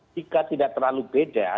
jika tidak terlalu beda